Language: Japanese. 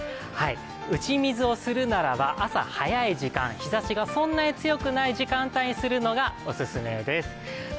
打ち水をするならば朝早い時間、日ざしがそんなに強くない時間帯にするのがお勧めです。